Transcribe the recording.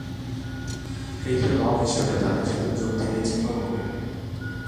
তৃতীয় দল হিসাবে তাদের সাথে যোগ দেবে জিম্বাবুয়ে।